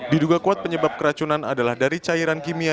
diduga kuat penyebab keracunan adalah dari cairan kimia